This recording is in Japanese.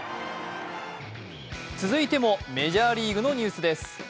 続いてもメジャーリーグのニュースです。